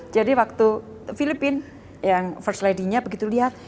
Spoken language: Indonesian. jadi waktu filipina yang first lady nya begitu lihat